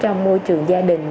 trong môi trường gia đình